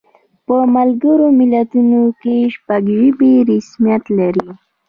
په ملګرو ملتونو کې شپږ ژبې رسمیت لري.